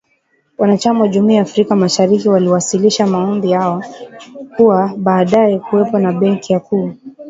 Wanachama wa Jumuiya ya Afrika Mashariki, waliwasilisha maombi yao kuwa baadae kuwepo na Benki Kuu